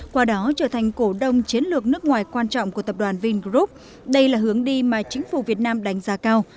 qua đó trở thành cổ đông chiến lược nước ngoài quan trọng của tập đoàn vingroup đây là hướng đi mà chính phủ việt nam đánh giá cao